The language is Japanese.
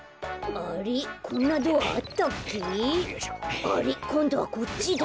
あれっこんどはこっちだ。